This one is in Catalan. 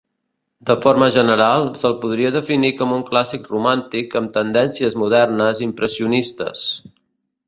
De forma general, se'l podria definir com un clàssic-romàntic amb tendències modernes impressionistes.